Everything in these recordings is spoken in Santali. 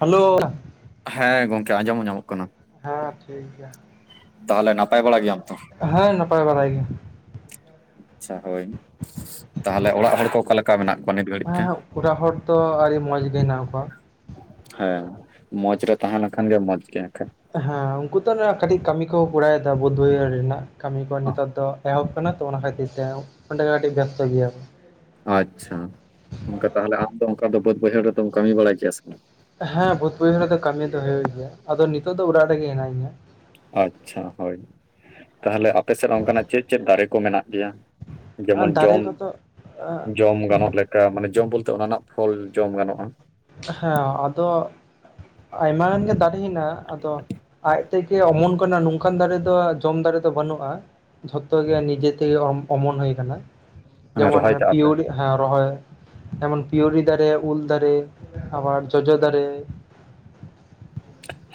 ᱦᱮᱞᱳ ᱦᱮᱸ ᱜᱚᱝᱠᱮ ᱟᱸᱡᱚᱢ ᱦᱚᱸ ᱧᱟᱢᱚᱜ ᱠᱟᱱᱟ᱾ ᱦᱮᱸ ᱴᱷᱤᱠ ᱜᱮᱭᱟ ᱛᱟᱦᱚᱞᱮ ᱱᱟᱯᱟᱭ ᱵᱟᱲᱟ ᱜᱮᱭᱟᱢ ᱛᱚ? ᱦᱮᱸ ᱱᱟᱯᱟᱭ ᱵᱟᱲᱟᱭ ᱜᱮ ᱟᱪᱪᱷᱟ ᱦᱳᱭ, ᱛᱟᱦᱚᱞᱮ ᱚᱲᱟᱜ ᱦᱚᱲ ᱠᱚ ᱚᱠᱟᱮᱠᱟ ᱢᱮᱱᱟᱜ ᱠᱚᱣᱟ ᱱᱤᱛ ᱜᱷᱟᱹᱲᱤᱡ ᱛᱮ? ᱦᱮᱸ ᱚᱲᱟᱜ ᱦᱚᱲ ᱫᱚ ᱟᱹᱰᱤ ᱢᱚᱸᱡᱽ ᱜᱮ ᱦᱮᱱᱟᱜ ᱠᱚᱣᱟ᱾ ᱦᱮᱸ ᱢᱚᱸᱡᱽ ᱨᱮ ᱛᱟᱦᱮᱸ ᱞᱮᱠᱷᱟᱱ ᱜᱮ ᱢᱚᱸᱡᱽ ᱜᱮ ᱦᱮᱸ ᱩᱱᱠᱩ ᱫᱚ ᱠᱟᱹᱴᱤᱡ ᱠᱟᱹᱢᱤ ᱠᱚ ᱠᱚᱨᱟᱣᱮᱫᱟ ᱵᱩᱫ ᱵᱟᱹᱭᱦᱟᱹᱲᱤ ᱨᱮᱱᱟᱜ ᱠᱟᱹᱢᱤ ᱠᱚ ᱱᱤᱛᱚᱜ ᱫᱚ ᱮᱦᱚᱵ ᱠᱟᱱᱟ ᱛᱚ ᱚᱱᱟ ᱠᱷᱟᱹᱛᱤᱨ ᱛᱮ ᱚᱸᱰᱮ ᱟᱹᱰᱤ ᱵᱮᱥᱛᱚ ᱜᱮᱭᱟ ᱟᱪᱪᱷᱟ, ᱚᱱᱠᱟ ᱛᱟᱦᱚᱞᱮ ᱟᱢ ᱫᱚ ᱚᱱᱠᱟ ᱫᱚ ᱵᱟᱹᱫ ᱵᱟᱹᱭᱦᱟᱹᱲ ᱨᱮᱫᱚᱢ ᱠᱟᱹᱢᱤ ᱵᱟᱲᱟᱭ ᱠᱮᱭᱟ ᱥᱮ ᱵᱟᱝ? ᱦᱮᱸ ᱵᱟ. ᱛ ᱵᱟ. ᱭᱦᱟ. ᱲ ᱨᱮᱫᱚ ᱠᱟᱹᱢᱤ ᱫᱚ ᱦᱩᱭᱩᱜ ᱜᱮᱭᱟ ᱟᱫᱚ ᱱᱤᱛᱚᱜ ᱫᱚ ᱚᱲᱟᱜ ᱨᱮᱜᱮ ᱦᱮᱱᱟᱹᱧᱟ᱾ ᱟᱪᱪᱷᱟ ᱦᱳᱭ, ᱛᱟᱦᱞᱮ ᱟᱯᱮ ᱥᱮᱫ ᱚᱱᱠᱟᱱᱟᱜ ᱪᱮᱫ ᱪᱮᱫ ᱫᱟᱨᱮ ᱠᱚ ᱢᱮᱱᱟᱜ ᱜᱮᱭᱟ? ᱟᱨ ᱡᱮᱢᱚᱱ ᱫᱟᱨᱮ ᱡᱚᱢ ᱠᱚᱫᱚ ᱡᱚᱢ ᱜᱟᱱᱚᱜ ᱞᱮᱠᱟ ᱢᱟᱱᱮ ᱡᱚᱢ ᱵᱚᱞᱛᱮ ᱚᱱᱟ ᱨᱮᱱᱟᱜ ᱯᱷᱚᱞ ᱡᱚᱢ ᱜᱟᱱᱚᱜᱼᱟ᱾ ᱦᱮᱸ ᱟᱫᱚ ᱟᱭᱢᱟ ᱜᱟᱱ ᱜᱮ ᱫᱟᱨᱮ ᱦᱮᱱᱟᱜᱼᱟ ᱟᱫᱚ ᱟᱡ ᱛᱮᱜᱮ ᱚᱢᱚᱱ ᱠᱟᱱᱟ ᱱᱚᱝᱠᱟᱱ ᱫᱟᱨᱮ ᱫᱚ ᱡᱚᱢ ᱫᱟᱨᱮ ᱫᱚ ᱵᱟᱹᱱᱩᱜᱼᱟ᱾ ᱡᱷᱚᱛᱚ ᱜᱮ ᱱᱤᱡᱮ ᱛᱮᱜᱮ ᱚᱢᱚᱱ ᱦᱩᱭ ᱟᱠᱟᱱᱟ᱾ ᱢᱟᱱᱮ ᱡᱮᱢᱚᱱ ᱨᱚᱦᱚᱭ ᱠᱟᱜᱼᱟ ᱯᱮ ᱯᱤᱭᱚᱨᱤ ᱦᱮᱸ ᱨᱚᱦᱚᱭ ᱡᱮᱢᱚᱱ ᱯᱤᱭᱚᱨᱤ ᱫᱟᱨᱮ ᱩᱞ ᱫᱟᱨᱮ, ᱟᱵᱟᱨ ᱡᱚᱡᱚ ᱫᱟᱨᱮ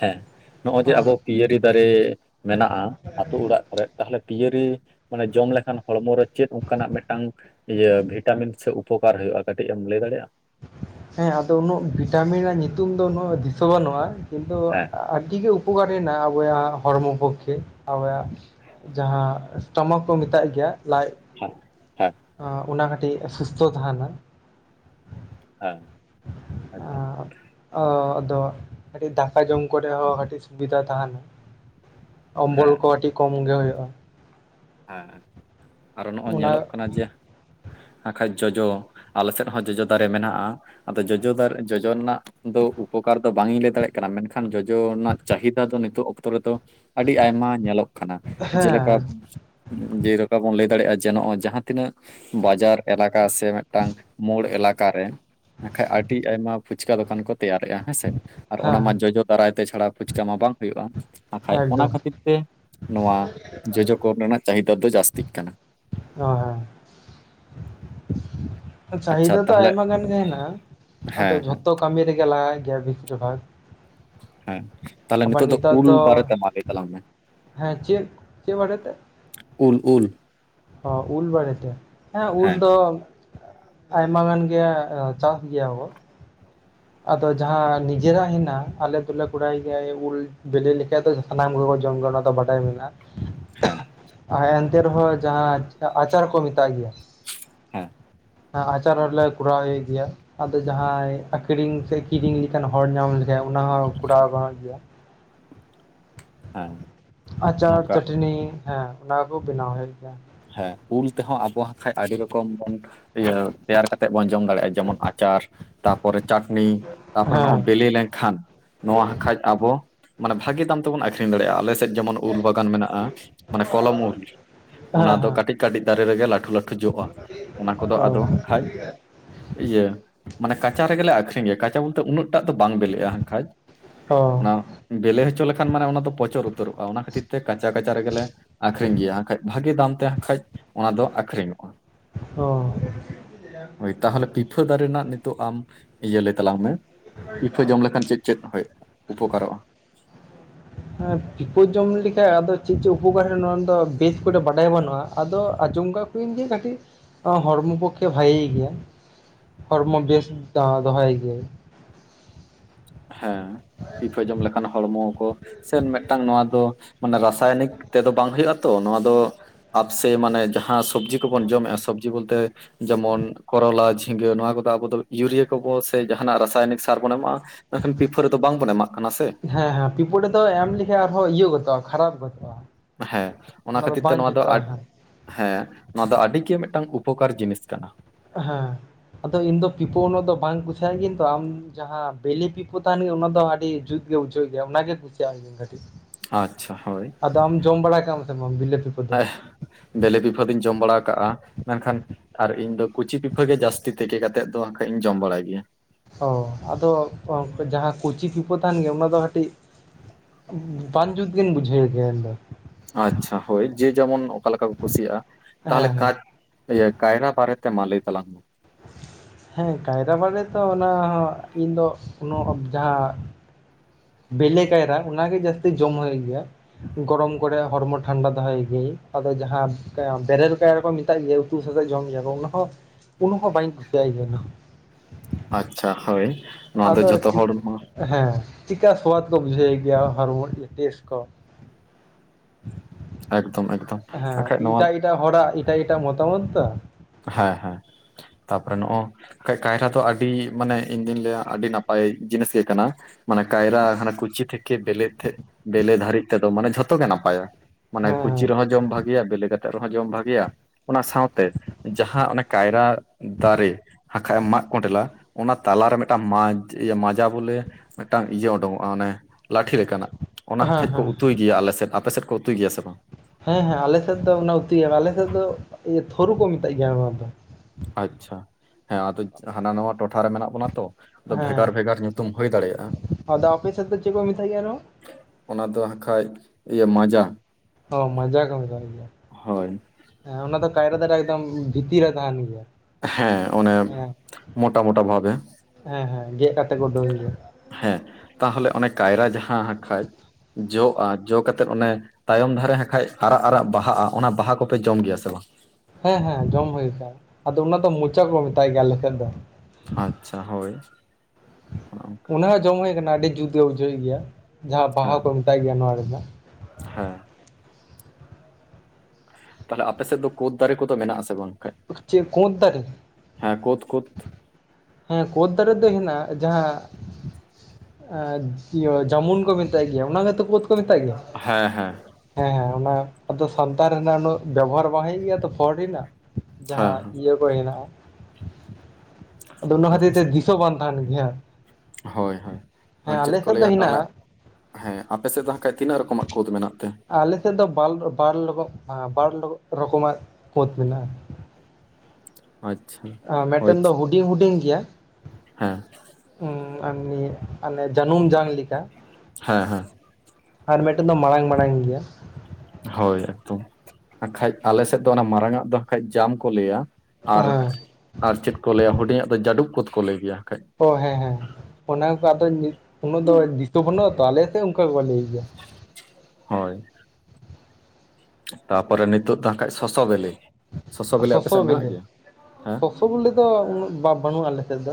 ᱦᱮᱸ ᱱᱚᱜᱼᱚᱭ ᱡᱮ ᱟᱵᱚ ᱯᱤᱭᱟᱹᱨᱤ ᱫᱟᱨᱮ ᱢᱮᱱᱟᱜᱼᱟ ᱟᱛᱳ ᱚᱲᱟᱜ ᱠᱚᱨᱮᱜ ᱛᱟᱦᱚᱞᱮ ᱯᱤᱭᱟᱨᱤ ᱢᱟᱱᱮ ᱡᱚᱢ ᱞᱮᱠᱷᱟᱱ ᱦᱚᱲᱢᱚ ᱨᱮ ᱪᱮᱫ ᱚᱱᱠᱟᱱᱟᱜ ᱢᱤᱫᱴᱟᱝ ᱤᱭᱟᱹ ᱵᱷᱤᱴᱟᱢᱤᱱ ᱥᱮ ᱩᱯᱚᱠᱟᱨ ᱦᱩᱭᱩᱜ ᱟ ᱠᱟ. ᱴᱡ ᱮᱢ ᱞᱟᱹᱭ ᱫᱟᱲᱮᱭᱟᱜᱼᱟ᱾ ᱦᱮᱸ ᱟᱫᱚ ᱩᱱᱟᱹᱜ ᱵᱷᱤᱴᱟᱢᱤᱱ ᱨᱮᱱᱟᱜ ᱧᱩᱛᱩᱢ ᱫᱚ ᱫᱤᱥᱟ. ᱵᱟᱹᱱᱩᱜᱼᱟ ᱠᱤᱱᱛᱩ ᱦᱮᱸ ᱟᱹᱰᱤ ᱜᱮ ᱩᱯᱚᱠᱟᱨ ᱦᱮᱱᱟᱜ-ᱟ ᱟᱵᱚᱭᱟᱜ ᱦᱚᱲᱢᱚ ᱯᱚᱠᱠᱷᱮ ᱟᱵᱚᱭᱟᱜ ᱡᱟᱦᱟᱸ ᱴᱟᱢᱟᱠ ᱠᱚ ᱢᱮᱛᱟᱜ ᱜᱮᱭᱟ ᱞᱟᱡ ᱦᱮᱸ ᱦᱮᱸ ᱟᱸ ᱚᱱᱟ ᱠᱟᱹᱴᱤᱡ ᱥᱩᱥᱛᱷᱚ ᱛᱟᱦᱮᱸᱱᱟ᱾ ᱦᱮᱸ ᱟᱪᱪᱷᱟ ᱚ ᱟᱫᱚ ᱟ. ᱰᱤ ᱫᱟᱠᱟ ᱡᱚᱢ ᱠᱚᱨᱮ ᱦᱚᱸ ᱦᱟᱹᱴᱤᱡ ᱥᱩᱵᱤᱫᱷᱟ ᱛᱟᱦᱮᱱᱟ᱾ ᱚᱢᱵᱚᱞ ᱦᱮᱸ ᱠᱚ ᱟᱹᱰᱤ ᱠᱚᱢ ᱜᱮ ᱦᱩᱭᱩᱜᱼᱟ᱾ ᱦᱮᱸ ᱟᱨᱦᱚ ᱱᱚᱜ-ᱚᱭ ᱚᱱᱟ ᱧᱮᱞᱚᱜ ᱠᱟᱱᱟ ᱡᱮ ᱟᱠᱷᱟᱡ ᱡᱚᱡᱚ ᱟᱞᱮ ᱥᱮᱫ ᱦᱚᱸ ᱡᱚᱡᱚ ᱫᱟᱨᱮ ᱢᱮᱱᱟᱜᱼᱟ ᱟᱫᱚ ᱡᱚᱡᱚ ᱫᱟᱨᱮ, ᱡᱚᱡᱚ ᱨᱮᱱᱟᱜ ᱫᱚ ᱩᱯᱚᱠᱟᱨ ᱫᱚ ᱵᱟᱝ ᱤᱧ ᱞᱟᱹᱭ ᱫᱟᱲᱮᱭᱟᱜ ᱠᱟᱱᱟ ᱢᱮᱱᱠᱷᱟᱱ ᱡᱚᱡᱚ ᱨᱮᱱᱟᱜ ᱪᱟᱦᱤᱫᱟ ᱫᱚ ᱱᱤᱛᱚᱜ ᱚᱠᱛᱚ ᱨᱮᱫᱚ ᱟᱹᱰᱤ ᱟᱭᱢᱟ ᱧᱮᱞᱚᱜ ᱠᱟᱱᱟ᱾ ᱡᱮᱞᱮᱠᱟ ᱦᱮᱸ ᱩᱸ ᱡᱮᱞᱮᱠᱟ ᱵᱚᱱ ᱞᱟᱹᱭ ᱫᱟᱲᱮᱭᱟᱜᱼᱟ ᱡᱮ ᱱᱚᱭ-ᱚ ᱡᱟᱦᱟᱸ ᱛᱤᱱᱟᱹᱜ ᱵᱟᱡᱟᱨ ᱮᱞᱟᱠᱟ ᱥᱮ ᱢᱮᱫᱴᱟᱝ ᱢᱳᱲ ᱮᱞᱟᱠᱟ ᱨᱮᱱ, ᱮᱠᱷᱟᱡ ᱟᱹᱰᱤ ᱟᱭᱢᱟ ᱯᱷᱩᱪᱠᱟ. ᱫᱚᱠᱟᱱ ᱠᱚ ᱛᱮᱭᱟᱨᱮᱜᱼᱟ, ᱦᱮᱸ ᱥᱮ᱾ ᱟᱨ ᱚᱱᱟ ᱢᱟ ᱦᱮᱸ ᱡᱚᱡᱚ ᱫᱟᱨᱟᱭ ᱛᱮ ᱪᱷᱟᱲᱟ ᱯᱷᱩᱪᱠᱟ ᱢᱟ ᱵᱟᱝ ᱦᱩᱭᱩᱜᱼᱟ᱾ ᱟᱠᱷᱟᱡ ᱦᱮᱸ ᱚᱱᱟ ᱮᱠᱫᱚᱢ ᱠᱷᱟᱹᱛᱤᱨ ᱛᱮ ᱱᱚᱣᱟ ᱡᱚᱡᱚ ᱠᱚ ᱨᱮᱱᱟᱜ ᱪᱟᱦᱤᱫᱟ ᱫᱚ ᱡᱟᱹᱥᱛᱤᱜ ᱠᱟᱱᱟ᱾ ᱦᱚ ᱦᱮᱸ᱾ ᱟᱪᱪᱷᱟ ᱪᱟᱹᱟᱦᱤᱫᱟ ᱫᱚ ᱛᱟᱦᱚᱞᱮ ᱟᱭᱢᱟ ᱜᱟᱱ ᱜᱮ ᱦᱮᱱᱟᱜᱼᱟ, ᱟᱫᱚ ᱦᱮᱸ ᱦᱮᱸ ᱡᱷᱚᱛᱚ ᱠᱟᱹᱢᱤ ᱨᱮᱜᱮ ᱞᱟᱜᱟᱜ ᱜᱮᱭᱟ ᱵᱮᱥᱤᱨ ᱵᱷᱟᱜᱽ᱾ ᱦᱮᱸ, ᱛᱟᱦᱞᱮ ᱟᱵᱟᱨ ᱱᱤᱛᱳᱜ ᱫᱚ ᱱᱮᱛᱟᱨ ᱩᱞ ᱵᱟᱨᱮᱛᱮ ᱢᱟ ᱞᱟᱹᱭ ᱛᱟᱞᱟᱝ ᱢᱮ᱾ ᱦᱮᱸ ᱪᱮᱫ ᱪᱮᱫ ᱩᱞ, ᱩᱞ᱾ ᱦᱚᱸ ᱩᱞ ᱵᱟᱨᱮᱛᱮ ᱦᱮᱸ ᱩᱞ ᱫᱚ ᱟᱭᱢᱟ ᱜᱟᱱ ᱜᱮᱭ ᱮ ᱪᱟᱥ ᱜᱮᱭᱟᱵᱚ᱾ ᱟᱫᱚ ᱡᱟᱦᱟᱸ ᱱᱤᱡᱮᱨᱟᱜ ᱦᱮᱸᱱᱟᱜ-ᱟ, ᱟᱞᱮ ᱫᱚᱞᱮ ᱠᱚᱨᱟᱭ ᱜᱮᱭᱟ ᱩᱞ ᱵᱤᱞᱤ ᱞᱮᱠᱟ ᱫᱚ ᱡᱷᱚ ᱥᱟᱱᱟᱢ ᱜᱮᱠᱚ ᱡᱚᱢ ᱜᱮᱭᱟ ᱚᱱᱟ ᱫᱚ ᱵᱟᱰᱟᱭ ᱢᱮᱱᱟᱜᱼᱟ᱾ ᱦᱮᱸ ᱟᱨ ᱮᱱᱛᱮ ᱨᱮᱦᱚᱸ ᱡᱟᱦᱟᱸ ᱟᱪᱟᱨ ᱠᱚ ᱢᱮᱛᱟᱜ ᱜᱮᱭᱟ ᱦᱮᱸ᱾ ᱦᱟᱸ ᱟᱪᱟᱨ ᱦᱚᱞᱮ ᱠᱚᱨᱟᱣ-ᱮᱜ ᱜᱮᱭᱟ ᱟᱫᱚ ᱡᱟᱦᱟᱸᱭ ᱟᱠᱷᱨᱤᱧ ᱥᱮ ᱠᱤᱨᱤᱧ ᱞᱮᱠᱟᱱ ᱦᱚᱲ ᱧᱟᱢ ᱞᱮᱠᱷᱟᱡ ᱚᱱᱟ ᱦᱚᱸ ᱠᱚᱨᱟᱣ ᱜᱟᱱᱚᱜ ᱜᱮᱭᱟ᱾ ᱦᱮᱸ ᱟᱪᱟᱨ, ᱱᱚᱝᱠᱟ ᱪᱟᱹᱴᱱᱤ ᱦᱮᱸ ᱚᱱᱟ ᱠᱚ ᱵᱮᱱᱟᱣ ᱦᱩᱭᱩᱜ ᱜᱮᱭᱟ᱾ ᱦᱮᱸ ᱩᱞ ᱛᱮᱦᱚᱸ ᱟᱵᱚ ᱦᱟᱸᱜ ᱠᱷᱟᱡ ᱟᱹᱰᱤ ᱨᱚᱠᱚᱢ ᱵᱚᱱ ᱤᱭᱟᱹ ᱛᱮᱭᱟᱨ ᱠᱟᱛᱮᱫ ᱵᱚᱱ ᱡᱚᱢ ᱫᱟᱲᱮᱭᱟᱜᱼᱟ ᱡᱮᱢᱚᱱ ᱟᱪᱟᱨ ᱛᱟᱨᱯᱚᱨᱮ ᱪᱟᱴᱱᱤ ᱛᱟᱨᱯᱚᱨᱮ ᱱᱚᱜᱼᱚᱭ ᱦᱮᱸ ᱵᱮᱞᱮ ᱞᱮᱱᱠᱷᱟᱱ ᱱᱚᱣᱟ ᱦᱟᱠᱷᱟᱡ ᱟᱵᱚ, ᱢᱟᱱᱮ ᱵᱷᱟᱜᱮ ᱫᱟᱢ ᱛᱮᱵᱚᱱ ᱟᱠᱷᱨᱤᱧ ᱫᱟᱲᱮᱭᱟᱜᱼᱟ ᱟᱞᱮ ᱥᱮᱫ ᱡᱮᱢᱚᱱ ᱩᱞ ᱵᱟᱜᱟᱱ ᱢᱮᱱᱟᱜᱼᱟ, ᱢᱟᱱᱮ ᱠᱚᱞᱚᱢ ᱩᱞ᱾ ᱚᱱᱟ ᱦᱮᱸ ᱫᱚ ᱦᱮᱸ ᱠᱟᱹᱴᱤᱡ ᱠᱟᱹᱴᱤᱡ ᱫᱟᱨᱮ ᱨᱮᱜᱮ ᱞᱟᱹᱴᱷᱩ ᱞᱟᱹᱴᱷᱩ ᱡᱚᱜᱼᱟ, ᱚᱱᱟ ᱠᱚᱫᱚ ᱚ ᱟᱫᱚ ᱠᱷᱟᱡ ᱤᱭᱟᱹ ᱢᱟᱱᱮ ᱠᱟᱪᱟ ᱨᱮᱜᱮ ᱞᱮ ᱟᱠᱷᱨᱤᱧ ᱜᱮᱭᱟ᱾ᱠᱟᱪᱟ ᱵᱚᱞᱛᱮ ᱩᱱᱟᱹᱜ ᱴᱟᱜ ᱫᱚ ᱵᱟᱝ ᱵᱤᱞᱤᱜᱼᱟ ᱦᱟᱸᱠᱷᱡ᱾ ᱚ ᱚᱱᱟ ᱵᱮᱞᱮ ᱦᱚᱪᱚ ᱞᱮᱠᱷᱟᱱ ᱢᱟᱱᱮ ᱚᱱᱟ ᱫᱚ ᱯᱚᱪᱚᱨ ᱩᱛᱟᱹᱨᱚᱜᱼᱟ, ᱚᱱᱟ ᱠᱷᱟᱹᱛᱤᱨ ᱛᱮ ᱠᱟᱪᱟ ᱠᱟᱪᱟ ᱨᱮᱜᱮ ᱞᱮ ᱟᱠᱷᱨᱤᱧ ᱜᱮᱭᱟ ᱦᱟᱸᱠᱷᱟᱡ ᱵᱷᱟᱜᱤ ᱫᱟᱢ ᱛᱮ ᱦᱟᱸᱠᱷᱟᱡ ᱚᱱᱟ ᱫᱚ ᱟᱠᱷᱨᱤᱧᱚᱜᱼᱟ᱾ ᱚ᱾ ᱦᱳᱭ ᱛᱟᱦᱚᱞᱮ ᱯᱤᱯᱷᱟᱹ ᱫᱟᱨᱮ ᱨᱮᱱᱟᱜ ᱱᱤᱛᱚᱜ ᱟᱢ ᱤᱭᱟᱹ ᱞᱟᱹᱭ ᱛᱟᱞᱟᱝ ᱢᱮ᱾ ᱯᱤᱯᱷᱟᱹ ᱡᱚᱢ ᱞᱮᱠᱷᱟᱱ ᱪᱮᱫ ᱪᱮᱫ ᱦᱚᱭ ᱩᱯᱚᱠᱟᱨᱚᱜᱼᱟ? ᱦᱮᱸ ᱯᱤᱯᱟᱹ ᱡᱚᱢ ᱞᱮᱠᱷᱟᱡ ᱟᱫᱚ ᱪᱮᱫ ᱪᱮᱫ ᱩᱯᱚᱠᱟᱨ ᱱᱚᱣᱟ ᱫᱚ ᱵᱮᱥ ᱠᱚᱴᱟ ᱵᱟᱰᱟᱭ ᱵᱟᱹᱱᱩᱜᱼᱟ, ᱟᱫᱚ ᱟᱸᱡᱚᱢ ᱠᱟᱜ ᱠᱩᱭᱤᱧ ᱡᱮ ᱠᱟᱹᱴᱤᱡ ᱚᱸ ᱦᱚᱲᱢᱚ ᱯᱚᱠᱠᱷᱮ ᱵᱷᱟᱜᱮ ᱜᱮᱭᱟ᱾ ᱦᱚᱲᱢᱚ ᱵᱮᱥ ᱫᱚ ᱫᱚᱦᱚᱭ ᱜᱮᱭᱟᱭ᱾ ᱦᱮᱸ ᱯᱤᱯᱷᱟᱹ ᱡᱚᱢ ᱞᱮᱠᱷᱟᱱ ᱦᱚᱲᱢᱚ ᱠᱚ ᱥᱮᱱ ᱢᱤᱫᱴᱟᱝ ᱱᱚᱣᱟ ᱫᱚ ᱢᱟᱱᱮ ᱨᱟᱥᱟᱭᱚᱱᱤᱠ ᱛᱮᱫᱚ ᱵᱟᱝ ᱦᱩᱭᱩᱜᱼᱟ ᱛᱚ ᱱᱚᱣᱟ ᱫᱚ ᱟᱯ ᱥᱮ, ᱢᱟᱱᱮ ᱡᱟᱦᱟᱸ ᱥᱚᱵᱽᱡᱤ ᱠᱚᱵᱚᱱ ᱡᱚᱢᱮᱜᱼᱟ ᱥᱚᱵᱽᱡᱤ ᱵᱚᱞᱛᱮ ᱡᱮᱢᱚᱱ ᱠᱚᱨᱚᱞᱟ, ᱡᱷᱤᱸᱜᱟᱹ ᱱᱚᱣᱟ ᱠᱚᱫᱚ ᱟᱵᱚ ᱫᱚ ᱤᱭᱩᱨᱤᱭᱟ ᱠᱚᱵᱚ ᱥᱮ ᱡᱟᱦᱟᱱᱟᱜ ᱨᱟᱥᱟᱭᱚᱱᱤᱠ ᱥᱟᱨ ᱵᱚᱱ ᱮᱢᱚᱜᱼᱟ, ᱢᱮᱱᱠᱷᱟᱱ ᱯᱤᱯᱟᱹ ᱨᱮᱫᱚ ᱵᱟᱝ ᱵᱚᱱ ᱮᱢᱟᱜ ᱠᱟᱱᱟ ᱥᱮ? ᱦᱮᱸ ᱦᱮᱸ ᱯᱤᱯᱟᱹ ᱨᱮᱫᱚ ᱮᱢ ᱞᱮᱠᱷᱟᱡ ᱟᱨᱦᱚᱸ ᱤᱭᱟᱹ ᱜᱚᱫᱚᱜᱼᱟ ᱠᱷᱟᱨᱟᱯ ᱜᱚᱫᱚᱜᱼᱟ᱾ ᱦᱮᱸ ᱚᱱᱟ ᱠᱷᱟᱹᱛᱤᱨ ᱛᱮ ᱵᱟᱝ ᱱᱚᱣᱟ ᱫᱚ ᱟ ᱡᱩᱛᱚᱜᱼᱟ ᱦᱟᱸᱜ ᱦᱮᱸ ᱱᱚᱣᱟ ᱫᱚ ᱟᱹᱰᱤ ᱜᱮ ᱢᱤᱫᱴᱟᱝ ᱩᱯᱚᱠᱟᱨ ᱡᱤᱱᱤᱥ ᱠᱟᱱᱟ᱾ ᱦᱮᱸ᱾ ᱟᱫᱚ ᱤᱧ ᱫᱚ ᱯᱤᱯᱩ ᱩᱱᱟᱹᱜ ᱫᱚ ᱵᱟᱝᱟᱹ ᱠᱩᱥᱤᱭᱟᱜᱼᱟ ᱜᱤᱭᱟᱹᱧ ᱛᱚ ᱟᱢ ᱡᱟᱦᱟᱸ ᱵᱮᱞᱮ ᱯᱤᱯᱟᱹ ᱛᱟᱦᱮᱸᱱ ᱜᱮ ᱚᱱᱟ ᱫᱚ ᱟᱹᱰᱤ ᱡᱩᱛ ᱜᱮ ᱵᱩᱡᱷᱣ ᱜᱮᱭᱟ ᱚᱱᱟᱜᱮ ᱠᱩᱥᱤᱭᱟᱜᱼᱟ ᱜᱤᱭᱟᱹᱧ ᱠᱟᱹᱤᱡ᱾ ᱟᱪᱪᱷᱟ ᱦᱳᱭ ᱟᱫᱚ ᱟᱢ ᱡᱚᱢ ᱵᱟᱲᱟ ᱠᱟᱜ ᱮᱢ ᱥᱮ ᱵᱟᱝ ᱵᱤᱞᱟᱹᱯᱤ ᱠᱚᱫᱚ? ᱵᱮᱞᱮ ᱯᱤᱯᱷᱟᱹ ᱵᱤᱱ ᱡᱚᱢ ᱵᱟᱲᱟ ᱠᱟᱜᱼᱟ ᱢᱮᱱᱠᱷᱟᱱ ᱟᱨ ᱤᱧ ᱫᱚ ᱠᱩᱪᱤ ᱯᱤᱴᱷᱟᱹ ᱜᱮ ᱡᱟᱹᱥᱛᱤ ᱛᱤᱠᱮ ᱠᱟᱛᱮ ᱮᱫ ᱦᱟᱸᱠᱷᱟᱡ ᱤᱧ ᱡᱚᱢ ᱵᱟᱲᱟᱭ ᱜᱮᱭᱟ᱾ ᱚ ᱟᱫᱚ ᱡᱟᱦᱟᱸ ᱠᱚᱪᱤ ᱯᱤᱯᱟᱹ ᱛᱟᱦᱮᱸᱱ ᱜᱮᱭᱟ ᱚᱱᱟ ᱫᱚ ᱠᱟᱹᱴᱤᱡ ᱵᱟᱝ ᱡᱩᱛ ᱜᱤᱧ ᱵᱩᱡᱷᱟᱹᱣ ᱜᱮᱭᱟ ᱤᱧᱫᱚ᱾ ᱟᱪᱪᱷᱟ ᱦᱳᱭ ᱡᱮ ᱡᱮᱢᱚᱱ ᱚᱠᱟ ᱞᱮᱠᱟ ᱠᱚ ᱠᱩᱥᱤᱭᱟᱜᱼᱟ, ᱛᱟᱦᱚᱞᱮ ᱦᱮᱸ ᱦᱮᱸ ᱠᱟᱡ ᱤᱭᱟᱹ ᱠᱟᱭᱨᱟ ᱵᱟᱨᱮ ᱛᱮ ᱢᱟ ᱞᱟᱹᱭ ᱛᱟᱞᱟᱝ ᱢᱮ᱾ ᱦᱮᱸ ᱠᱟᱭᱨᱟ ᱵᱟᱨᱮ ᱛᱚ ᱚᱱᱟ ᱤᱧ ᱫᱚ ᱩᱱᱟᱹᱜ ᱡᱟᱦᱟᱸ ᱵᱮᱞᱮ ᱠᱟᱭᱨᱟ ᱚᱱᱟᱜᱮ ᱡᱟᱹᱥᱛᱤ ᱡᱚᱢ ᱦᱩᱭᱩᱜ ᱜᱮᱭᱟ᱾ ᱜᱚᱨᱚᱢ ᱠᱚᱨᱮ ᱦᱚᱲᱢᱚ ᱴᱷᱟᱱᱰᱟ ᱫᱚᱦᱚᱭ ᱜᱮ, ᱟᱫᱚ ᱡᱟᱦᱟᱸ ᱵᱮᱨᱮᱞ ᱠᱟᱭᱨᱟ ᱠᱚ ᱢᱮᱛᱟᱜ ᱜᱮᱭᱟ ᱛᱩ ᱦᱟᱛ ᱡᱚᱢ ᱧᱩᱭᱟ ᱠᱚ ᱚᱱᱟ ᱦᱚᱸ ᱩᱹ ᱦᱚᱸ ᱵᱟᱹᱧ ᱠᱩᱥᱤᱭᱟ ᱭᱱᱟᱼᱼ ᱟᱪᱪᱷᱟ ᱦᱳᱭ᱾ ᱱᱚᱣᱟ ᱫᱚ ᱟᱫᱚ ᱡᱷᱚᱛᱚ ᱦᱚᱲ ᱢᱟ ᱦᱮᱸ ᱪᱤᱠᱟ ᱥᱣᱟᱫ ᱠᱚ ᱵᱩᱡᱷᱟᱹᱣ ᱜᱮᱭᱟ ᱦᱚᱲᱢᱚ ᱴᱮᱥᱴ ᱠᱚ ᱮᱠᱫᱚᱢ ᱮᱠᱫᱚᱢ ᱦᱮᱸ ᱵᱟᱠᱷᱟᱡ ᱱᱚᱣᱟ ᱤᱴᱟ ᱤᱴᱟ ᱦᱚᱲᱟᱜ ᱤᱴᱟ ᱤᱴᱟ ᱢᱚᱛᱟ ᱢᱚᱛ ᱛᱚ᱾ ᱦᱮᱸ ᱦᱮᱸ ᱛᱟᱯᱚᱨᱮ ᱱᱚᱜᱼᱚ ᱵᱟᱠᱷᱟᱡ ᱠᱟᱭᱨᱟ ᱫᱚ ᱟᱹᱰᱤ ᱢᱟᱱᱮ ᱤᱧᱫᱩᱧ ᱞᱟᱹᱭᱟ ᱟᱹᱰᱤ ᱱᱟᱯᱟᱭ ᱡᱤᱱᱤᱥ ᱜᱮ ᱠᱟᱱᱟ᱾ ᱢᱟᱱᱮ ᱠᱟᱭᱨᱟ ᱦᱟᱱᱮ ᱠᱩᱪᱤ ᱛᱷᱮᱠᱮ ᱵᱮᱞᱮ ᱵᱮᱞᱮ ᱫᱷᱟᱹᱨᱤᱡ ᱛᱮᱫᱚ ᱢᱟᱱᱮ ᱡᱷᱚᱛᱚ ᱜᱮ ᱱᱟᱯᱟᱭᱟ᱾ ᱢᱟᱱᱮ ᱠᱩᱪᱤ ᱦᱮᱸ ᱨᱮᱦᱚᱸ ᱡᱚᱢ ᱵᱷᱟᱜᱮᱭᱟ ᱵᱮᱤᱞᱤ ᱠᱟᱛᱮᱜ ᱨᱮᱦᱚᱸ ᱡᱚᱢ ᱵᱷᱟᱜᱮᱭᱟ ᱚᱱᱟ ᱥᱟᱶᱛᱮᱼᱼ ᱡᱟᱦᱟᱸ ᱚᱱᱟ ᱠᱟᱭᱨᱟ ᱫᱟᱨᱮᱼᱼ ᱟᱠᱠᱷᱟᱡ ᱮᱢ ᱢᱟᱜ ᱠᱚᱸᱴᱮᱞᱟ ᱚᱱᱟ ᱛᱟᱞᱟᱨᱮ ᱢᱤᱫᱴᱟᱝ ᱢᱟ ᱢᱟᱡᱟ ᱵᱚᱞᱮᱼᱼ ᱢᱤᱫᱴᱟᱝ ᱤᱭᱟᱹ ᱩᱰᱩᱠᱚᱜᱼᱟ ᱚᱱᱮ ᱞᱟᱴᱷᱤ ᱞᱮᱠᱟᱱᱟᱜ᱾ ᱚᱱᱟ ᱠᱷᱟᱡ ᱦᱮᱸ ᱠᱚ ᱦᱮᱸ ᱩᱛᱩᱭ ᱜᱮᱭᱟ ᱟᱞᱮ ᱥᱮᱫ ᱟᱯᱮ ᱥᱮᱫ ᱠᱚ ᱩᱛᱩᱭ ᱜᱮᱭᱟ ᱥᱮ ᱵᱟᱝ? ᱦᱮᱸ ᱦᱮᱸ ᱟᱞᱮᱥᱮᱫ ᱫᱚ ᱚᱱᱟ ᱩᱛᱭᱟ ᱟᱞᱮ ᱥᱮᱫ ᱫᱚ ᱤᱭᱟᱹ ᱛᱷᱟᱹᱨᱩ ᱠᱚ ᱢᱮᱛᱟᱜ ᱜᱮᱭᱟ ᱱᱚᱣᱟ ᱫᱚ᱾ ᱟᱪᱪᱷᱟ ᱦᱮᱸ ᱟᱫᱚ ᱦᱟᱱᱟ ᱱᱟᱣᱟ ᱴᱚᱴᱷᱟ ᱨᱮ ᱢᱮᱱᱟᱜ ᱵᱚᱱᱟ ᱛᱚ᱾ ᱛᱚ ᱵᱷᱮᱜᱟᱨ- ᱦᱮᱸ ᱵᱷᱮᱜᱟᱨ ᱧᱩᱛᱩᱢ ᱦᱩᱭ ᱫᱟᱲᱮᱭᱟᱜᱼᱟ᱾ ᱟᱫᱚ ᱟᱯᱮ ᱥᱮᱫ ᱫᱚ ᱪᱮᱫ ᱠᱚ ᱢᱮᱛᱟᱜ ᱜᱮᱭᱟ ᱱᱚᱣᱟ ᱚᱱᱟ ᱫᱚ ᱦᱟᱸᱜ ᱠᱷᱟᱡ ᱤᱭᱟᱹ ᱢᱟᱡᱟᱼᱼ ᱚ ᱢᱟᱡᱟ ᱠᱚ ᱫᱚᱭᱟ [unintelligible] ᱦᱳᱭ ᱦᱮᱸ ᱚᱱᱟ ᱫᱚ ᱠᱟᱭᱨᱟ ᱫᱚ ᱟᱨ ᱮᱠᱫᱚᱢ ᱵᱷᱤᱛᱤᱨ ᱨᱮ ᱛᱟᱦᱮᱱ ᱜᱮᱭᱟ᱾ ᱦᱮᱸ ᱚᱱᱮ ᱦᱮᱸ ᱢᱚᱴᱟ ᱢᱚᱴᱟ ᱵᱷᱟᱵᱮ ᱦᱮᱸ ᱦᱮᱸ ᱜᱮᱫ ᱠᱟᱛᱮ ᱜᱚᱰᱳ ᱮᱫᱟ ᱦᱮᱸ ᱛᱟᱦᱚᱞᱮ ᱚᱱᱮ ᱠᱟᱭᱨᱟ ᱡᱟᱦᱟᱸ ᱠᱷᱟᱡ ᱡᱚᱜᱼᱟ, ᱡᱚ ᱠᱟᱛᱮ ᱮᱫ ᱚᱱᱮᱼᱼ ᱛᱟᱭᱚᱢ ᱫᱷᱟᱨᱮ ᱦᱮᱠᱟᱡ ᱟᱨᱟᱜ -ᱟᱨᱟᱜ ᱵᱟᱦᱟᱜᱼᱟ, ᱚᱱᱟ ᱵᱟᱦᱟ ᱠᱚᱯᱮ ᱡᱚᱢ ᱜᱮᱭᱟ ᱥᱮ ᱵᱟᱝ? ᱦᱮᱸ ᱦᱮᱸ ᱡᱚᱢ ᱦᱩᱭ ᱟᱠᱟᱱᱟ ᱟᱫᱚ ᱚᱱᱟ ᱫᱚ ᱢᱚᱪᱟ ᱠᱚ ᱢᱮᱛᱟᱭ ᱜᱮᱭᱟ ᱟᱞᱮ ᱥᱮᱫ ᱫᱚ᱾ ᱟᱪᱪᱷᱟ ᱦᱳᱭ, ᱚᱱᱟ ᱦᱚᱸ ᱡᱚᱢ ᱦᱩᱭ ᱟᱠᱟᱱᱟ ᱟᱹᱰᱤ ᱡᱩᱫᱟᱹ ᱚᱡᱚᱭ ᱜᱮᱭᱟ ᱡᱟᱦᱟᱸ ᱵᱟᱦᱟ ᱠᱚ ᱢᱮᱛᱟᱭ ᱜᱮᱭᱟ ᱱᱚᱣᱟ ᱨᱮᱫᱚ᱾ ᱦᱮᱸᱼᱼ ᱛᱟᱦᱚᱞᱮ ᱟᱯᱮ ᱥᱮᱫ ᱫᱚ ᱠᱚᱫ ᱫᱟᱨᱮ ᱠᱚᱫᱚ ᱢᱮᱱᱟᱜ ᱟᱥᱮ ᱵᱟᱝᱠᱟᱱᱡ? ᱪᱮᱫ ᱠᱚᱫ ᱫᱟᱨᱮ ᱦᱮᱸ ᱠᱳᱛ ᱠᱳᱛ ᱦᱮᱸ ᱠᱳᱫ ᱫᱟᱨᱮ ᱫᱚ ᱦᱮᱱᱟᱜ ᱡᱟᱦᱟᱸᱼᱼ ᱮ ᱤᱭᱟᱹ ᱡᱟᱢᱩᱱ ᱠᱚ ᱢᱮᱛᱟᱭ ᱜᱮᱭᱟ ᱚᱱᱟᱜᱛᱚ ᱠᱳᱫ ᱠᱚ ᱢᱮᱛᱟᱭ ᱜᱮᱭᱟ᱾ ᱦᱮᱸ ᱦᱮᱸ ᱦᱮᱸ ᱦᱮᱸ ᱚᱱᱟ ᱟᱫᱚ ᱥᱟᱱᱛᱟᱲ ᱨᱮᱱᱟᱜ ᱩᱱᱟᱹᱜ ᱵᱮᱵᱚᱦᱟᱨ ᱵᱟᱝ ᱦᱩᱭᱩ ᱜᱮᱭᱟ ᱛᱚ ᱯᱚᱨᱮ ᱱᱟᱜ᱾ ᱦᱮᱸ ᱡᱟᱦᱟᱸ ᱤᱭᱟᱹ ᱠᱚ ᱦᱮᱱᱟᱜᱼᱟ? ᱟᱫᱚ ᱚᱱᱟ ᱠᱷᱟᱹᱛᱤᱨ ᱛᱮ ᱟᱪᱪᱷᱟ ᱫᱤᱥ ᱦᱚᱸ ᱵᱟᱝ ᱛᱟᱦᱮᱱ ᱜᱮᱭᱟ᱾ ᱦᱳᱭ ᱦᱳᱭ ᱟᱨ ᱦᱮᱸ ᱪᱮᱫ ᱟᱞᱮ ᱠᱚ ᱥᱮᱫ ᱞᱟᱹᱭᱟ ᱫᱚ ᱛᱟᱦᱚᱞᱮᱼᱼ ᱦᱮᱱᱟᱜᱼᱟ ᱦᱮᱸ ᱟᱯᱮ ᱥᱮᱫ ᱦᱟᱸᱠᱷᱟᱡ ᱛᱤᱱᱟᱹᱜ ᱨᱚᱠᱚᱢᱟᱜ ᱠᱳᱫ ᱢᱮᱱᱟᱜ ᱛᱮ ᱟᱞᱮᱥᱮᱫ ᱫᱚ ᱵᱟᱞ ᱵᱟᱞ ᱨᱚᱠᱚᱢ ᱵᱟᱨ ᱨᱚᱠᱚᱢᱟᱜ ᱯᱚᱛ ᱢᱮᱱᱟᱜᱼᱟ᱾ ᱟᱪᱪᱷᱟ᱾ ᱢᱤᱫᱴᱮᱱ ᱫᱚ ᱦᱩᱰᱤᱧ ᱦᱩᱰᱤᱧ ᱜᱮᱭᱟ᱾ ᱦᱮᱸᱼᱼ ᱦᱩᱸ ᱟᱨ ᱱᱤᱭᱳ ᱟᱞᱮ ᱡᱟᱹᱱᱩᱢ ᱡᱟᱝ ᱞᱮᱠᱟ᱾ ᱦᱮᱸ ᱦᱮᱸ ᱟᱨ ᱢᱤᱫᱴᱮᱱ ᱫᱚ ᱢᱟᱲᱟᱝ ᱢᱟᱲᱟᱝ ᱜᱮᱭᱟ᱾ ᱦᱳᱭ ᱮᱠᱫᱚᱢ ᱟᱨᱠᱷᱟᱡ ᱟᱞᱮᱥᱮᱫ ᱫᱚ ᱚᱱᱟ ᱢᱟᱨᱟᱝᱼᱟᱜ ᱫᱚᱠᱷᱟᱡ ᱡᱟᱢ ᱠᱚ ᱞᱟᱹᱭᱟ᱾ ᱟᱨ ᱦᱮᱸ ᱟᱨ ᱪᱮᱫ ᱠᱚ ᱞᱟᱹᱭᱟ ᱦᱩᱰᱤᱧᱟᱜ ᱫᱚ ᱡᱟᱹᱰᱩᱵ ᱠᱩᱫ ᱠᱚ ᱞᱟᱹᱭ ᱜᱮᱭᱟᱠᱟᱡᱼᱼ ᱚ ᱦᱮᱸ ᱦᱮᱸ ᱚᱱᱟ ᱠᱚ ᱟᱫᱚ ᱩᱱᱟᱹᱜ ᱫᱚ ᱫᱤᱥᱚ ᱵᱟᱹᱱᱩᱜᱼᱟ ᱛᱚ ᱟᱞᱮᱥᱮᱫ ᱚᱱᱠᱟ ᱜᱮ ᱠᱚ ᱞᱟᱹᱭ ᱜᱮᱭᱟ᱾ ᱦᱳᱭ ᱛᱟᱯᱚᱨᱮ ᱱᱤᱛᱚᱜ ᱫᱚ ᱠᱷᱟᱡ ᱥᱚᱥᱚ ᱵᱤᱞᱤ ᱵᱤᱞᱤ ᱟᱯᱮ ᱥᱚᱥᱚ ᱥᱮᱫ ᱢᱮᱱᱟᱜ ᱵᱤᱞᱤ ᱜᱮᱭᱟ ᱦᱮᱸ ᱥᱚᱥᱚ ᱵᱤᱞᱤ ᱫᱚ ᱩᱱᱟᱹᱜ ᱵᱟᱹᱱᱩᱜᱼᱟ ᱟᱞᱮ ᱥᱮᱫ ᱫᱚ᱾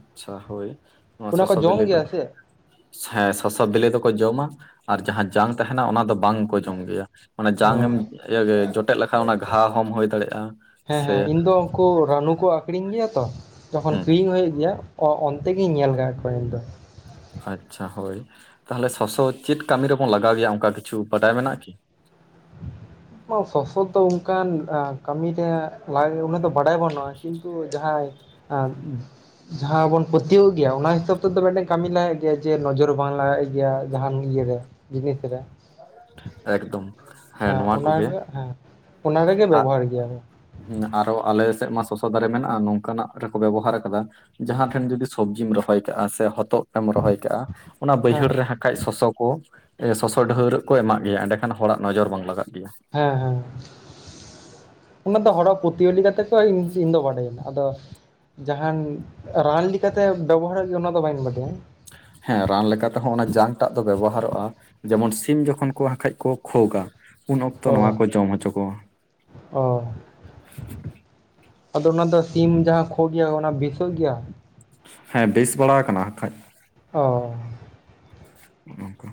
ᱟᱪᱪᱷᱟ ᱦᱳᱭ ᱱᱚᱣᱟ ᱚᱱᱟ ᱥᱚᱥ ᱠᱚ ᱵᱤᱞᱤᱼᱼ ᱡᱚᱢ ᱜᱮᱭᱟ ᱥᱮ ᱦᱮᱸ ᱥᱚᱥᱚ ᱵᱤᱞᱤ ᱫᱚᱠᱚ ᱡᱚᱢᱟ ᱟᱨ ᱡᱟᱦᱟᱸ ᱡᱟᱝ ᱛᱟᱦᱮᱱᱟ ᱚᱱᱟ ᱫᱚ ᱵᱟᱝᱼᱼ ᱠᱚ ᱡᱚᱢ ᱜᱮᱭᱟ ᱢᱟᱱᱮ ᱚ ᱡᱟᱝ ᱮᱢ ᱡᱚᱴᱮᱫ ᱞᱮᱠᱷᱟᱱ ᱚᱱᱟ ᱜᱷᱟ ᱦᱚᱸᱚᱢ ᱦᱩᱭ ᱫᱟᱲᱮᱭᱟᱜᱼᱟ ᱥᱮᱼᱼ ᱠᱚ ᱨᱟᱱᱩ ᱠᱚ ᱟᱠᱷᱨᱤᱧ ᱜᱮᱭᱟ ᱛᱚ ᱛᱚᱠᱷᱚᱱ ᱦᱩᱸ ᱠᱤᱨᱤᱧ ᱦᱩᱭᱩᱜ ᱜᱮᱭᱟ᱾ ᱚᱱᱛᱮ ᱜᱮᱧ ᱧᱮᱞ ᱠᱟᱜ ᱠᱚᱣᱟ ᱤᱧ ᱫᱚ᱾ ᱟᱪᱪᱷᱟ ᱦᱳᱭ ᱛᱟᱦᱚᱞᱮ ᱥᱚᱥᱚ ᱪᱮᱫ ᱠᱟᱹᱢᱤ ᱨᱮᱵᱚᱱ ᱞᱟᱜᱟᱣ ᱜᱮᱭᱟ ᱚᱱᱠᱟ ᱠᱤᱪᱷᱩ ᱵᱟᱰᱟᱭ ᱢᱮᱱᱟᱜᱼᱟ ᱠᱤ ᱥᱚᱥᱚ ᱫᱚ ᱚᱱᱠᱟᱱ ᱠᱟᱹᱢᱤ ᱨᱮᱭᱟᱜᱼᱼ ᱞᱟᱹᱭ ᱩᱱᱟᱹ ᱫᱚᱚ ᱵᱟᱰᱟᱭ ᱵᱟᱹᱱᱩᱜᱼᱟ ᱠᱤᱱᱛᱩ ᱡᱟᱦᱟᱸᱭᱼᱼ ᱡᱟᱦᱟᱸ ᱵᱚᱱ ᱯᱟᱹᱛᱭᱟᱹᱣᱟᱜ ᱜᱮᱭᱟ ᱚᱱᱟ ᱦᱤᱥᱟᱹᱵ ᱛᱮᱫᱚ ᱢᱤᱫᱴᱮᱱ ᱠᱟᱹᱢᱤ ᱞᱟᱜᱟᱣ ᱜᱮᱭᱟ ᱡᱮ ᱱᱚᱡᱚᱨ ᱵᱟᱝ ᱞᱟᱜᱟᱣ ᱜᱮᱭᱟ ᱡᱟᱦᱟᱱ ᱤᱭᱟᱹᱨᱮᱼᱼ ᱡᱤᱱᱤᱥ ᱨᱮ ᱮᱠᱫᱚᱢ᱾ ᱦᱮᱸ ᱱᱚᱣᱟ ᱚᱱᱟ ᱠᱚᱜᱮ ᱦᱮᱸ ᱚᱱᱟ ᱨᱮᱜᱮ ᱵᱮᱵᱚᱦᱟᱨ ᱜᱮᱭᱟᱞᱮ ᱦᱮᱸ ᱟᱨᱚ ᱟᱞᱮ ᱥᱮᱫ ᱢᱟ ᱥᱚᱥᱚ ᱫᱟᱨᱮ ᱢᱮᱱᱟᱜᱼᱟ ᱱᱚᱝᱠᱟᱱᱟᱜ ᱨᱮᱠᱚ ᱵᱮᱵᱚᱦᱟᱨ ᱟᱠᱟᱫᱟ᱾ ᱡᱟᱦᱟᱸ ᱴᱷᱮᱱ ᱡᱩᱫᱤ ᱥᱚᱵᱽᱡᱤᱢ ᱨᱚᱦᱚᱭ ᱠᱟᱜᱼᱟ ᱥᱮ ᱦᱚᱛᱚᱫᱼᱼ ᱮᱢ ᱨᱚᱦᱚᱭ ᱠᱟᱜᱼᱟ ᱚᱱᱟ ᱦᱮᱸ ᱵᱟᱹᱭᱦᱟᱹᱲ ᱨᱮ ᱦᱟᱠᱷᱟᱡ ᱥᱚᱥᱚ ᱠᱚ ᱥᱚᱥᱚ ᱰᱷᱣᱟᱹᱨᱟᱹᱜ ᱠᱚ ᱮᱢᱟᱜᱼᱼ ᱜᱮᱭᱟ ᱮᱸᱰᱮᱠᱷᱟᱱ ᱦᱚᱲᱟᱜ ᱱᱚᱡᱚᱨ ᱵᱟᱝ ᱞᱟᱜᱟᱜ ᱜᱮᱭᱟ᱾ ᱦᱮᱸ ᱦᱮᱸ ᱚᱱᱟ ᱫᱚ ᱦᱚᱴᱚᱜᱼᱼ ᱯᱩᱛᱟᱹᱤ ᱞᱮᱠᱟᱛᱮ ᱠᱚ ᱤᱧ ᱫᱚ ᱵᱟᱰᱟᱭᱟᱹᱧ ᱟᱫᱚᱼᱼ ᱡᱟᱦᱟᱱ ᱨᱟᱱ ᱞᱮᱠᱟᱛᱮ ᱵᱮᱵᱚᱦᱟᱨᱚᱜ ᱜᱮ ᱚᱱᱟ ᱫᱚ ᱵᱟᱹᱧ ᱵᱟᱰᱟᱭᱟ ᱦᱮᱸ ᱨᱟᱱ ᱞᱮᱠᱟ ᱛᱮᱦᱚᱸ ᱚᱱᱟ ᱡᱟᱝ ᱴᱟᱜ ᱫᱚ ᱵᱮᱵᱚᱦᱟᱨᱚᱜᱼᱟ᱾ ᱡᱮᱢᱚᱱ ᱥᱤᱢ ᱡᱚᱠᱷᱚᱱ ᱠᱚ ᱵᱟᱠᱷᱟᱡ ᱠᱚ ᱠᱷᱚᱜᱟ᱾ ᱩᱱ ᱚᱠᱛᱚ ᱱᱚᱣᱟ ᱚ ᱠᱚ ᱡᱚᱢ ᱦᱚᱪᱚ ᱠᱚᱼᱼ ᱚ ᱟᱫᱚ ᱚᱱᱟ ᱫᱚ ᱥᱤᱢ ᱡᱟᱦᱟᱸ ᱠᱷᱳ ᱜᱮᱭᱟ ᱚᱱᱟ ᱵᱮᱥᱚᱜ ᱜᱮᱭᱟ? ᱦᱮᱸ ᱵᱮᱥ ᱵᱟᱲᱟ ᱟᱠᱟᱱᱟ ᱠᱷᱟᱡ᱾ ᱚᱻ ᱚᱱᱠᱟ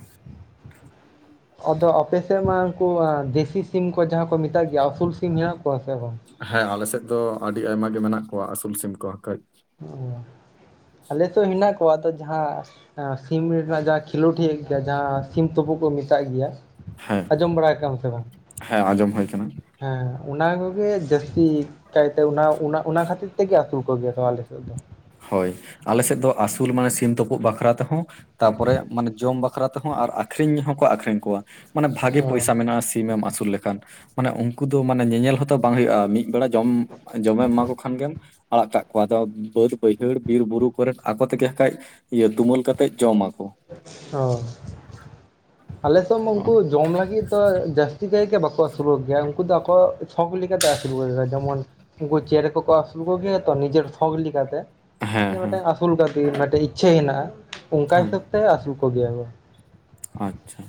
ᱟᱫᱚ ᱟᱯᱮᱥᱮᱫ ᱢᱟ ᱩᱱᱠᱩ ᱫᱮᱥᱤ ᱥᱤᱢ ᱠᱚ ᱡᱟᱦᱟᱸ ᱠᱚ ᱢᱮᱛᱟᱜ ᱜᱮᱭᱟ ᱟᱥᱩᱞ ᱥᱤᱢ ᱦᱮᱱᱟᱜ ᱠᱚᱣᱟ ᱥᱮ ᱵᱟᱝ? ᱦᱮᱸ ᱟᱞᱮ ᱥᱮᱫ ᱫᱚ ᱟᱹᱰᱤ ᱟᱭᱢᱟ ᱜᱮ ᱢᱮᱱᱟᱜ ᱠᱚᱣᱟ ᱟᱹᱥᱩᱞ ᱥᱤᱢ ᱠᱚ ᱠᱟᱹᱡᱼᱼ ᱚ ᱟᱞᱮ ᱛᱚ ᱦᱮᱱᱟᱜ ᱠᱚᱣᱟ ᱟᱫᱚ ᱡᱟᱦᱟᱸᱼᱼ ᱥᱤᱢ ᱨᱮᱱᱟᱜ ᱡᱟᱦᱟᱸ ᱠᱷᱮᱞᱳᱰ ᱦᱮᱭᱩ ᱜᱮᱭᱟ ᱡᱟᱦᱟᱸ ᱥᱤᱢ ᱛᱩᱯᱳᱫ ᱠᱚ ᱢᱮᱛᱟᱜ ᱜᱮᱭᱟ᱾ ᱦᱮᱸ ᱟᱸᱡᱚᱢ ᱵᱟᱲᱟ ᱠᱟᱜᱼᱟᱢ ᱥᱮ ᱵᱟᱝ? ᱦᱮᱸ ᱟᱸᱡᱚᱢ ᱦᱳᱭ ᱠᱟᱱᱟ᱾ ᱦᱮᱸ ᱚᱱᱟ ᱠᱚᱜᱮ ᱡᱟᱹᱥᱛᱤ ᱠᱟᱭᱛᱮ ᱚᱱᱟ ᱚᱱᱟ ᱠᱷᱟᱹᱛᱤᱨ ᱛᱮᱜᱮ ᱟᱹᱥᱩᱞ ᱠᱚᱜᱮᱭᱟ ᱛᱚ ᱟᱞᱮᱼᱼ [unintelligible] ᱦᱳᱭ ᱟᱞᱮ ᱥᱮᱫ ᱫᱚ ᱟᱹᱥᱩᱞ ᱢᱟᱱᱮ ᱥᱤᱢ ᱛᱩᱯᱩᱜ ᱵᱟᱠᱷᱨᱟ ᱛᱮᱦᱚᱸᱼᱼ ᱛᱟᱯᱚᱨᱮ ᱢᱟᱱᱮ ᱡᱚᱢ ᱵᱟᱠᱷᱨᱟ ᱛᱮᱦᱚᱸ ᱟᱨ ᱟᱠᱷᱨᱤᱧ ᱦᱚᱸᱠᱚ ᱟᱠᱷᱨᱤᱧ ᱠᱚᱣᱟ ᱢᱟᱱᱮ ᱵᱷᱟᱜᱤ ᱚ ᱯᱚᱭᱥᱟ ᱢᱮᱱᱟᱜᱼᱟ᱾ ᱥᱤᱢ ᱮᱢ ᱟᱹᱥᱩᱞ ᱞᱮᱠᱷᱟᱱ ᱢᱟᱱᱮ ᱩᱱᱠᱩ ᱫᱚ ᱢᱟᱱᱮ ᱧᱮᱧᱮᱞ ᱦᱚᱸᱛᱚ ᱵᱟᱝ ᱦᱩᱭᱩᱜᱼᱟ ᱢᱤᱫ ᱵᱮᱲᱟ ᱡᱚᱢᱼᱼ ᱡᱚᱢᱮᱢ ᱮᱢᱟ ᱠᱚ ᱠᱷᱟᱱ ᱜᱮᱢ ᱟᱲᱟᱜ ᱠᱟᱜ ᱠᱚᱣᱟ ᱟᱫᱚ ᱵᱟᱹᱫᱽᱼᱼ ᱵᱟᱹᱭᱦᱟᱹᱲ ᱵᱤᱨ ᱵᱩᱨᱩ ᱠᱚᱨᱮ ᱟᱠᱚ ᱛᱮᱜᱮᱠᱷᱟᱡ ᱤᱭᱟᱹ ᱫᱩᱢᱟᱹᱞ ᱠᱟᱛᱮᱫ ᱡᱚᱢ ᱟᱠᱚ᱾ ᱚᱼᱼ ᱟᱞᱮᱥ ᱦᱚᱸᱜᱼᱚ ᱩᱱᱠᱩ ᱡᱚᱢ ᱞᱟᱹᱜᱤᱫ ᱫᱚ ᱡᱟᱹᱥᱛᱤ ᱠᱟᱭ ᱜᱮ ᱵᱟᱠᱚᱼᱼ ᱟᱹᱥᱩᱞᱚᱜ ᱜᱮᱭᱟ ᱩᱱᱠᱩ ᱫᱚ ᱟᱠᱚ ᱥᱚᱠ ᱞᱮᱠᱟᱛᱮ ᱟᱹᱥᱩᱞᱚᱜ ᱡᱮᱢᱚᱱᱼᱼ ᱩᱱᱠᱩ ᱪᱮᱬᱮᱸ ᱠᱚᱠᱚ ᱟᱹᱥᱩᱞ ᱠᱚᱜᱮᱭᱟ ᱛᱚ ᱱᱤᱡᱮᱨ ᱥᱷᱚᱠ ᱞᱮᱠᱟ ᱛᱮ ᱱᱚᱝᱠᱟ᱾ ᱦᱮᱸ ᱤᱧ ᱦᱮᱸ ᱢᱤᱫᱴᱟᱝ ᱟᱹᱥᱩᱞ ᱠᱟᱛᱤ ᱢᱤᱫᱴᱮᱱ ᱤᱪᱪᱷᱟᱹ ᱦᱮᱱᱟᱜᱼᱟ ᱚᱱᱠᱟ ᱦᱮᱸ ᱦᱤᱥᱟᱹᱵ ᱛᱮ ᱟᱹᱥᱩᱞ ᱠᱚᱜᱮᱭᱟ ᱠᱚ ᱟᱪᱪᱷᱟ᱾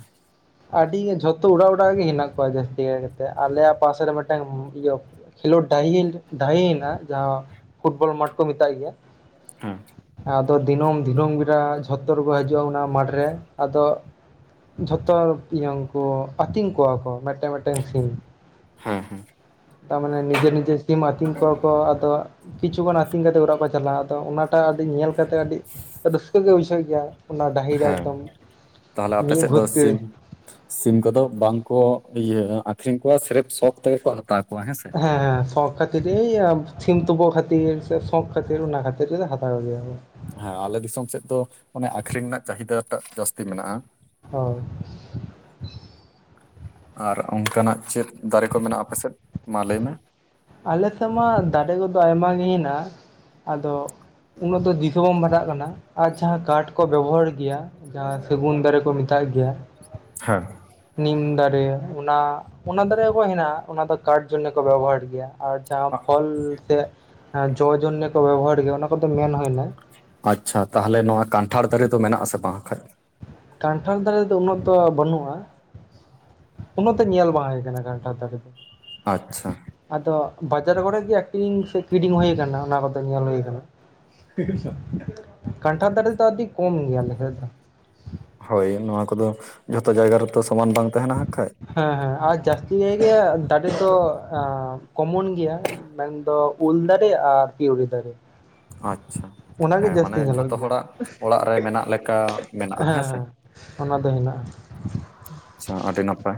ᱟᱹᱰᱤ ᱡᱷᱚᱛᱚ ᱚᱲᱟᱜ ᱚᱲᱟᱜ ᱜᱮ ᱦᱮᱱᱟᱜ ᱠᱚᱣᱟ ᱡᱟᱹᱥᱛᱤ ᱠᱟᱭ ᱠᱟᱛᱮᱫ ᱟᱞᱮᱭᱟᱜ ᱯᱟᱥᱮ ᱨᱮ ᱢᱤᱫᱴᱟᱝ ᱤᱭᱟᱹᱼᱼ ᱠᱷᱮᱞᱳᱰ ᱰᱟᱦᱤ ᱰᱟᱦᱤ ᱦᱮᱱᱟᱜ ᱡᱟᱦᱟᱸ ᱯᱷᱩᱴᱵᱚᱞ ᱢᱟᱴᱷ ᱠᱚ ᱢᱮᱛᱟᱜ ᱜᱮᱭᱟ᱾ ᱦᱮᱸ ᱟᱫᱚ ᱫᱤᱱᱟᱹᱢ ᱫᱱᱟᱹᱢ ᱵᱮᱲᱟ ᱡᱷᱚᱛᱚᱨᱠᱚ ᱦᱤᱡᱩᱜᱼᱟ ᱚᱱᱟ ᱢᱟᱴᱷᱨᱮ ᱟᱫᱚᱼᱼ ᱛᱚ ᱤᱭᱟᱹᱠᱩ ᱟᱹᱛᱤᱝ ᱠᱚᱣᱟ ᱠᱚ ᱢᱤᱫᱴᱮᱱ ᱢᱤᱫᱫᱴᱮᱱ ᱥᱤᱢᱼᱼ ᱦᱩᱸ ᱦᱩᱸᱼᱼ ᱛᱟᱨᱢᱟᱱᱮ ᱱᱤᱡᱮ ᱱᱤᱡᱮ ᱥᱤᱢ ᱟᱛᱤᱧ ᱠᱚᱣᱟ ᱠᱚ ᱟᱫᱚ ᱠᱤᱪᱷᱩᱩᱜ ᱟᱹᱛᱤᱧ ᱠᱟᱛᱮ ᱚᱲᱟᱜ ᱠᱚ ᱪᱟᱞᱟᱜᱼᱟ᱾ ᱛᱚ ᱚᱱᱟᱴᱟᱜ ᱟᱹᱰᱤ ᱧᱮᱞ ᱠᱟᱛᱮᱫ ᱟᱹᱰᱤ ᱨᱟᱹᱥᱠᱟᱹᱜ ᱜᱮ ᱵᱩᱡᱷᱟᱹᱜ ᱜᱮᱭᱟ᱾ ᱚᱱᱟ ᱰᱟᱹᱦᱤᱨ ᱨᱮ ᱦᱮᱸ ᱮᱠᱫᱚᱢ ᱛᱟᱦᱚᱞᱮ ᱟᱯᱮ ᱢᱤᱫ ᱥᱮᱫ ᱫᱚ ᱵᱷᱩᱨᱛᱤᱼᱼ ᱥᱤᱢ ᱥᱤᱢ ᱠᱚᱫᱚ ᱵᱟᱝᱠᱚ ᱤᱭᱟᱹ ᱟᱠᱷᱨᱤᱧ ᱠᱚᱣᱟ ᱥᱮᱤᱨᱯ ᱥᱚᱠ ᱛᱮᱜᱮ ᱠᱚ ᱦᱟᱛᱟᱣ ᱠᱚᱣᱟ ᱦᱮᱸᱥᱮ᱾ ᱦᱮᱸ ᱦᱮᱸ ᱥᱚᱠ ᱠᱷᱟᱹᱛᱤᱨ ᱥᱤᱢ ᱛᱩᱯᱟᱹ ᱠᱷᱟᱹᱛᱤᱨ ᱥᱮ ᱥᱚᱠ ᱠᱷᱟᱹᱛᱤᱨ ᱚᱱᱟ ᱠᱷᱟᱹᱛᱤᱨ ᱦᱟᱛᱟᱣ ᱜᱮᱭᱟ ᱠᱚ᱾ ᱦᱮᱸ ᱟᱞᱮ ᱫᱤᱥᱚᱢ ᱥᱮᱫ ᱫᱚ ᱟᱱᱮ ᱟᱠᱷᱨᱤᱧ ᱨᱮᱱᱟᱜ ᱪᱟᱦᱤᱫᱟᱴᱟᱜ ᱡᱟᱹᱥᱛᱤ ᱢᱮᱱᱟᱜᱼᱟ᱾ ᱦᱚᱭ᱾ ᱟᱨ ᱚᱱᱠᱟᱱᱟᱜ ᱪᱮᱫ ᱫᱟᱨᱮ ᱠᱚ ᱢᱮᱱᱟᱜᱼᱟ ᱟᱯᱮᱥᱮᱫ ᱢᱟ ᱞᱟᱹᱭ ᱢᱮ? ᱟᱞᱮᱥᱮᱫ ᱢᱟ ᱫᱟᱨᱮ ᱠᱚᱫᱚ ᱟᱭᱢᱟ ᱜᱮ ᱦᱮᱱᱟᱜᱼᱟ ᱟᱫᱚᱼᱼ ᱩᱱᱟᱹᱜ ᱫᱚ ᱫᱤᱥᱟᱹ ᱵᱟᱢ ᱵᱟᱛᱟᱜ ᱠᱟᱱᱟ ᱟᱨ ᱡᱟᱦᱟᱸ ᱠᱟᱴ ᱠᱚ ᱵᱮᱵᱚᱦᱟᱨ ᱜᱮᱭᱟ᱾ ᱡᱟᱦᱟᱸ ᱥᱟᱹᱜᱩᱱ ᱫᱟᱨᱮ ᱠᱚ ᱢᱮᱛᱟᱭ ᱜᱮᱭᱟ᱾ ᱦᱮᱸᱼᱼ ᱱᱤᱢ ᱫᱟᱨᱮ ᱚᱱᱟ ᱚᱱᱟ ᱫᱟᱨᱮ ᱠᱚ ᱦᱮᱱᱟᱜᱼᱟ ᱚᱱᱟ ᱫᱚ ᱠᱟᱴ ᱡᱚᱱᱱᱮ ᱠᱚ ᱵᱮᱵᱚᱦᱟᱨ ᱜᱮᱭᱟ᱾ ᱟᱨ ᱡᱟᱦᱟᱸ ᱟ- ᱯᱷᱚᱞ ᱥᱮ ᱡᱚ ᱡᱚᱱᱱᱮ ᱠᱚ ᱵᱮᱵᱚᱦᱟᱨ ᱜᱮᱭᱟ ᱚᱱᱟ ᱠᱚᱫᱚ ᱢᱮᱱ ᱦᱩᱭᱱᱟᱼᱼ ᱟᱪᱪᱷᱟ ᱛᱟᱦᱚᱞᱮ ᱱᱚᱣᱟ ᱠᱟᱱᱴᱷᱟᱲ ᱫᱟᱨᱮ ᱫᱚ ᱢᱮᱱᱟᱜ ᱟᱥᱮ ᱵᱟᱝᱠᱟᱱᱡ᱾ ᱠᱟᱱᱴᱷᱟᱲ ᱫᱟᱨᱮ ᱫᱚ ᱩᱱᱟᱹᱜ ᱫᱚ ᱵᱟᱹᱱᱩᱜᱼᱟ᱾ ᱩᱱᱟᱹᱜ ᱛᱚ ᱧᱮᱞ ᱵᱟᱝ ᱦᱩᱭ ᱠᱟᱱᱴᱟᱲ ᱫᱟᱨᱮ ᱫᱚ᱾ ᱟᱪᱪᱷᱟ᱾ ᱟᱫᱚ ᱵᱟᱡᱟᱨ ᱠᱚᱨᱮᱜᱤ ᱟᱠᱷᱨᱤᱝ ᱥᱮ ᱠᱤᱨᱤᱝ ᱦᱩᱭ ᱟᱠᱟᱱᱟ ᱚᱱᱟ ᱠᱚᱫᱚ ᱧᱮᱞ ᱦᱩᱭ ᱟᱠᱟᱱᱟ᱾ ᱠᱟᱱᱴᱷᱟ ᱫᱟᱨᱮ ᱫᱚ ᱟᱹᱰᱤ ᱠᱚᱢ ᱜᱮᱭᱟ ᱟᱞᱮ ᱥᱮᱫ ᱫᱚ᱾ ᱦᱳᱭ ᱱᱚᱣᱟ ᱠᱚᱫᱚ ᱡᱷᱚᱛᱚ ᱡᱟᱭᱜᱟ ᱨᱮᱛᱚ ᱥᱚᱢᱟᱱ ᱵᱟᱝ ᱛᱟᱦᱮᱱᱟ ᱦᱟᱸᱜ ᱠᱷᱟᱱᱡᱼᱼ ᱦᱮᱸ ᱦᱮᱸ ᱟᱨ ᱡᱟᱹᱥᱛᱤ ᱠᱟᱭ ᱜᱮ ᱫᱟᱨᱮ ᱫᱚ ᱠᱚᱢᱚᱱ ᱜᱮᱭᱟ᱾ ᱢᱮᱱᱫᱚ ᱩᱞ ᱫᱟᱨᱮ ᱟᱨ ᱠᱤᱣᱲᱤ ᱫᱟᱨᱮᱼᱼ ᱟᱪᱪᱷᱟ ᱦᱮᱸ ᱢᱟᱱᱮ ᱧᱮᱞᱚᱜ ᱡᱷᱚᱛᱚ ᱜᱮᱭᱟ ᱦᱚᱲᱟᱜ ᱚᱲᱟᱜ ᱨᱮ ᱢᱮᱱᱟᱜ ᱞᱮᱠᱟ ᱦᱮᱸ ᱢᱮᱱᱟᱜᱼᱟ ᱦᱮᱸᱥᱮᱼᱼ ᱦᱮᱸ ᱚᱱᱟ ᱫᱚ ᱦᱮᱱᱟᱜᱼᱟ᱾ ᱟᱪᱪᱷᱟ ᱟᱹᱰᱤ ᱱᱟᱯᱟᱭ᱾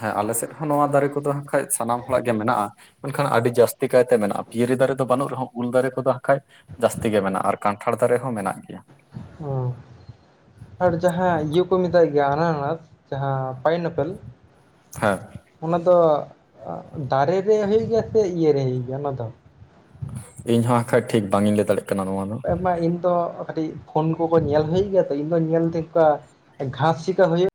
ᱦᱮᱸ ᱟᱞᱮ ᱥᱮᱫ ᱦᱚᱸ ᱱᱚᱣᱟ ᱫᱟᱨᱮ ᱠᱚᱫᱚ ᱦᱟᱸᱜ ᱠᱷᱟᱡ ᱥᱟᱱᱟᱢ ᱦᱚᱲᱟᱜ ᱜᱮ ᱢᱮᱱᱟᱜᱼᱟ᱾ ᱢᱮᱱᱠᱷᱟᱱ ᱟᱹᱰᱤ ᱡᱟᱹᱥᱛᱤ ᱠᱟᱭᱛᱮ ᱢᱮᱱᱟᱜᱼᱟ ᱯᱤᱭᱤ ᱫᱟᱨᱮ ᱫᱚ ᱵᱟᱹᱱᱩᱜ ᱨᱮᱦᱚᱸ ᱩᱞ ᱫᱟᱨᱮ ᱠᱚᱫᱚᱠᱷᱟᱡᱼᱼ ᱡᱟᱹᱥᱛᱤ ᱜᱮ ᱢᱮᱱᱟᱜᱼᱟ ᱠᱟᱱᱴᱷᱟᱲ ᱫᱟᱨᱮ ᱦᱚᱸ ᱢᱮᱱᱟᱜ ᱜᱮᱭᱟ᱾ ᱦᱩᱸ ᱟᱨ ᱡᱟᱦᱟᱸ ᱚᱱᱠᱟ᱾ ᱩᱵᱼᱼ ᱠᱚ ᱢᱮᱛᱟᱭ ᱜᱮᱭᱟ ᱟᱱᱟᱨᱟᱥ ᱡᱟᱦᱟᱸ ᱯᱟᱭᱤᱱᱟᱯᱮᱞ ᱦᱮᱸ ᱚᱱᱟ ᱫᱚ ᱫᱟᱨᱮ ᱨᱮ ᱦᱩᱭᱩᱜ ᱜᱮᱭᱟ ᱥᱮ ᱤᱭᱟᱹᱨᱮ ᱦᱩᱭᱩᱜ ᱜᱮᱭᱟ ᱚᱱᱟ ᱫᱚ? ᱤᱧ ᱦᱚᱸ ᱠᱷᱟᱡ ᱴᱷᱤᱠ ᱵᱟᱝ ᱤᱧ ᱞᱟᱹᱭ ᱫᱟᱲᱮᱭᱟᱜ ᱠᱟᱱᱟ ᱱᱚᱣᱟ ᱫᱚ᱾ ᱟᱭᱢᱟ ᱤᱧ ᱫᱚ ᱠᱟᱹᱴᱤᱡ ᱯᱷᱳᱱ ᱠᱚᱠᱚ ᱧᱮᱞ ᱦᱩᱭ ᱜᱮᱭᱟ ᱛᱚ ᱤᱧ ᱫᱚ ᱧᱮᱞ ᱫᱟᱭ ᱚᱱᱠᱟᱼᱼ ᱜᱟᱥ ᱥᱤᱠᱟ ᱦᱩᱭᱩᱜᱼᱼ